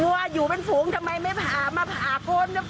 ไอ้วัวอยู่เป็นฝูงทำไมไม่มาผ่าก้น